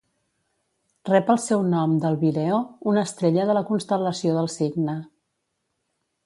Rep el seu nom d'Albireo, una estrella de la constel·lació del Cigne.